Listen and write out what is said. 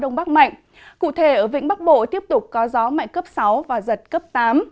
đông bắc mạnh cụ thể ở vĩnh bắc bộ tiếp tục có gió mạnh cấp sáu và giật cấp tám